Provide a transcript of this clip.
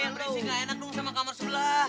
jangan berisik gak enak dong sama kamar sebelah